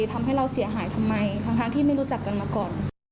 ทำให้เราเสียหายทำไมทั้งที่ไม่รู้จักกันมาก่อน